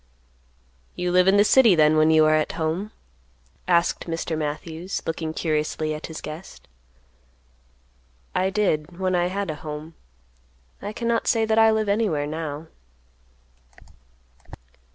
"You live in the city, then, when you are at home?" asked Mr. Matthews, looking curiously at his guest. "I did, when I had a home; I cannot say that I live anywhere now."